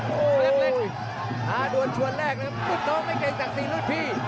โอ้ยดวนชวนแรกนะครับรุ่นน้องไม่เก่งจากสี่รุ่นพี่